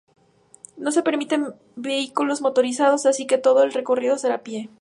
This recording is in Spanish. No se permiten vehículos motorizados, así que todo el recorrido será a pie.